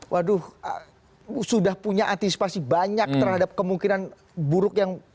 waduh sudah punya antisipasi banyak terhadap kemungkinan buruk yang